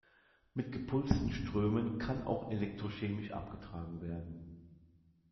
Mit gepulsten Strömen kann auch elektrochemisch abgetragen werden.